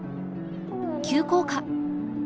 急降下！